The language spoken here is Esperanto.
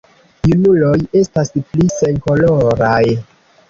Junuloj estas pli senkoloraj.